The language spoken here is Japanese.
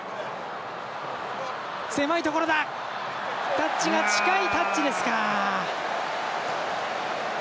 タッチが近いタッチですか。